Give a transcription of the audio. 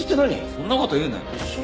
そんな事言うなよ。